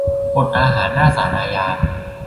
อดอาหารหน้าศาลอาญา